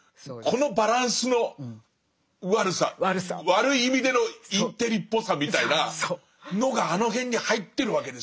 悪い意味でのインテリっぽさみたいなのがあの辺に入ってるわけですね。